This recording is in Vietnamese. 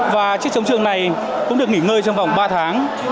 và chiếc chống trường này cũng được nghỉ ngơi trong vòng ba tháng